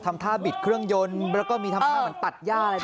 อ๋อทำท่าบิดเครื่องยนต์แล้วก็มีทำท่าเหมือนตัดย่าอะไรแบบนี้ด้วย